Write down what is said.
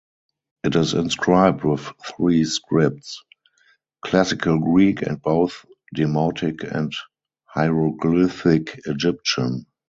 It is inscribed with three scripts: classical Greek and both Demotic and hieroglyphic Egyptian.